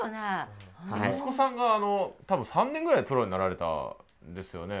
息子さんがあの多分３年ぐらいでプロになられたんですよね。